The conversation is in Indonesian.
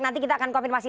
nanti kita akan konfirmasi